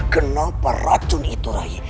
kenapa racun itu rai